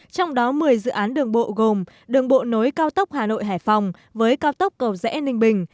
trong đó một mươi dự án đường bộ gồm đường bộ nối cao tốc hà nội hải phòng với cao tốc cầu rẽ ninh bình